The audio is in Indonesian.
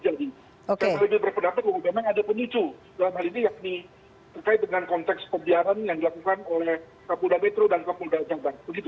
saya lebih berpendapat bahwa memang ada pemicu dalam hal ini yakni terkait dengan konteks pembiaran yang dilakukan oleh kapolda metro dan kapolda jabar